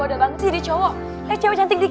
ada yang salah ya soal penampilan saya